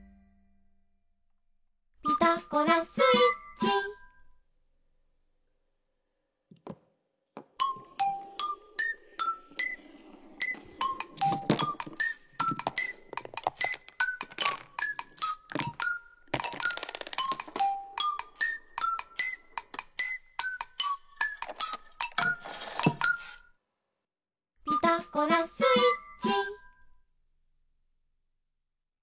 「ピタゴラスイッチ」「ピタゴラスイッチ」